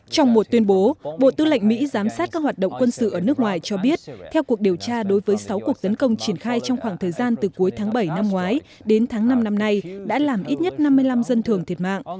trong một tuyên bố bộ tư lệnh mỹ giám sát các hoạt động quân sự ở nước ngoài cho biết theo cuộc điều tra đối với sáu cuộc tấn công triển khai trong khoảng thời gian từ cuối tháng bảy năm ngoái đến tháng năm năm nay đã làm ít nhất năm mươi năm dân thường thiệt mạng